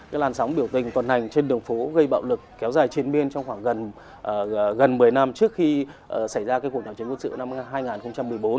các làn sóng biểu tình toàn hành trên đường phố gây bạo lực kéo dài trên biên trong khoảng gần một mươi năm trước khi xảy ra cuộc đảo chiến quốc sự năm hai nghìn một mươi bốn